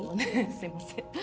すいません。